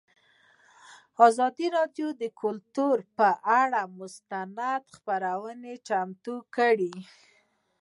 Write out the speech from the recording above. ازادي راډیو د کلتور پر اړه مستند خپرونه چمتو کړې.